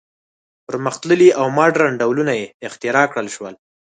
پرمختللي او ماډرن ډولونه یې اختراع کړل شول.